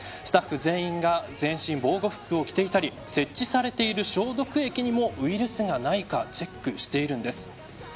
スタッフ全員が全身防護服を着ていたり設置されている消毒液にもウイルスがないかチェックしているんです。